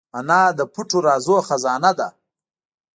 انا د پټ رازونو خزانه ده